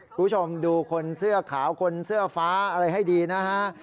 คุณผู้ชมดูคนเสื้อขาวคนเสื้อฟ้าอะไรให้ดีนะฮะ